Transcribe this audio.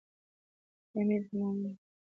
حمید مومند او شیدا د هندي سبک مخکښان دي.